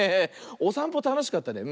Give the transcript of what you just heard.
おさんぽたのしかったね。